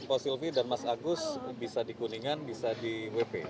pak silvi dan mas agus bisa di kuningan bisa di wp